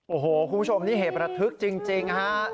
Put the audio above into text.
โอ้โหคุณผู้ชมนี่เหตุระทึกจริงนะฮะ